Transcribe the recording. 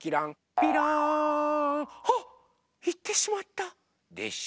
びろん！あっいってしまった！でしょ。